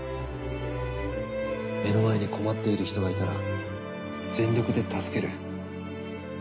目の前に困っている人がいたら全力で助ける。